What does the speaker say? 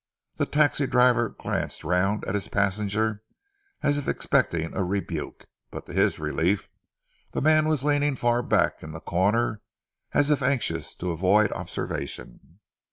The taxi driver glanced round at his passenger as if expecting a rebuke, but to his relief the man was leaning far back in the corner as if anxious to avoid observation.